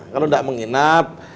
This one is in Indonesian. kalau nggak menginap